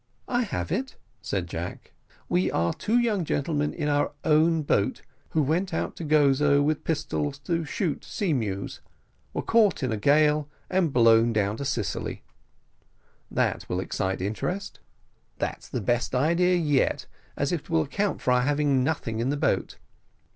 "I have it," said Jack "we are two young gentlemen in our own boat who went out to Gozo with pistols to shoot sea mews, were caught in a gale, and blown down to Sicily that will excite interest." "That's the best idea yet, as it will account for our having nothing in the boat.